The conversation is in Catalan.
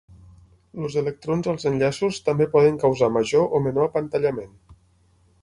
Els electrons als enllaços també poden causar major o menor apantallament.